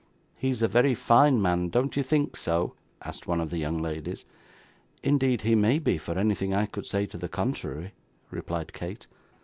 'He is a very fine man, don't you think so?' asked one of the young ladies. 'Indeed he may be, for anything I could say to the contrary,' replied Kate.